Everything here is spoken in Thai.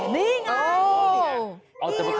นี่ไง